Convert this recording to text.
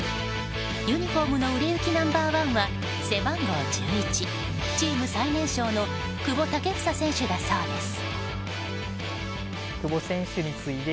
ユニホームの売れ行きナンバー１は背番号１１、チーム最年少の久保建英選手だそうです。